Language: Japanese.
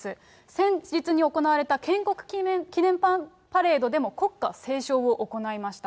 先日に行われた建国記念パレードでも、国歌斉唱を行いました。